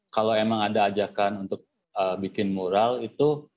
kalau emang ada ajakan untuk bikin mural itu